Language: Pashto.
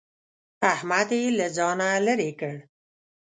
احمد يې له ځانه لرې کړ.